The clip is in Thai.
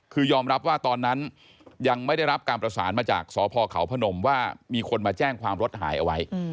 คือยอมรับว่าตอนนั้นยังไม่ได้รับการประสานมาจากสพเขาพนมว่ามีคนมาแจ้งความรถหายเอาไว้